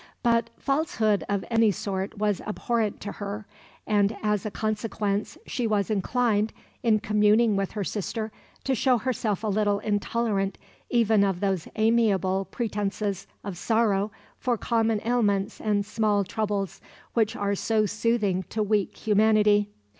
But falsehood of any sort was abhorrent to her, and as a consequence she was inclined, in communing with her sister, to show herself a little intolerant even of those amiable pretences of sorrow for common ailments and small troubles which are so soothing to weak humanity.